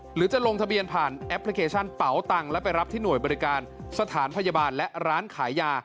หรือจะลงทะเบียนผ่านแอปพลิเคชันเป๋าตังค์และไปรับที่หน่วยบริการสถานพยาบาลและร้านขายยา